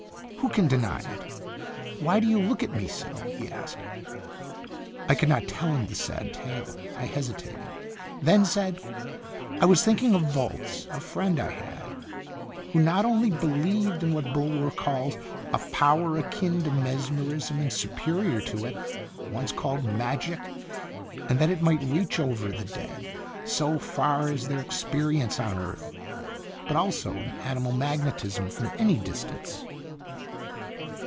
Who can deny it? Why do you look at me so?" he asked. I could not tell him the sad tale. I hesi tated; then said: " I was thinking of Volz, a friend I had, who not only believed in what Bulwer calls * a power akin to mesmerism and superior to it, once called Magic, and that it might reach over the dead, so far as their ex perience on earth/ but also in animal magne tism from any distance."